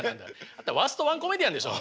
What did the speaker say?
あんたワーストワンコメディアンでしょ。